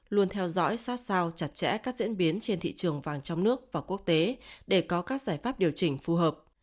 luôn theo dõi sát sao chặt chẽ các diễn biến trên thị trường vàng trong nước và quốc tế để có các giải pháp điều chỉnh phù hợp